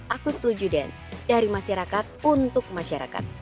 aku setuju den dari masyarakat untuk masyarakat